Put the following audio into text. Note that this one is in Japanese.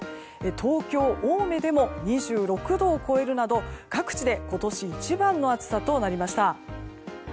東京・青梅でも２６度を超えるなど各地で今年一番の暑さとなりました。